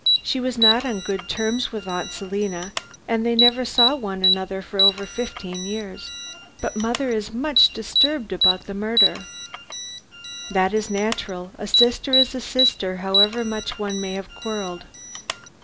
She was not on good terms with Aunt Selina and they never saw one another for over fifteen years. But mother is much disturbed about the murder " "That is natural. A sister is a sister however much one may have quarrelled.